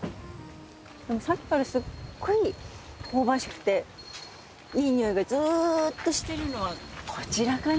さっきからすごい香ばしくていい匂いがずっとしてるのはこちらかな？